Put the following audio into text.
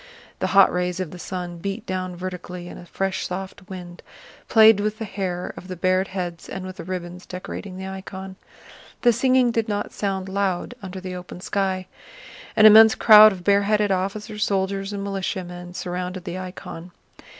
The hot rays of the sun beat down vertically and a fresh soft wind played with the hair of the bared heads and with the ribbons decorating the icon. The singing did not sound loud under the open sky. An immense crowd of bareheaded officers, soldiers, and militiamen surrounded the icon.